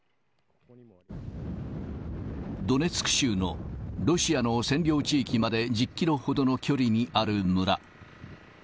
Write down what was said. ドネツク州のロシアの占領地域まで１０キロほどの距離にある村。